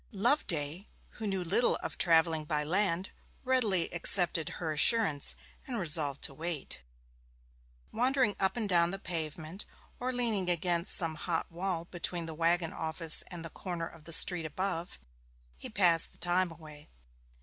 Loveday, who knew little of travelling by land, readily accepted her assurance and resolved to wait. Wandering up and down the pavement, or leaning against some hot wall between the waggon office and the corner of the street above, he passed the time away.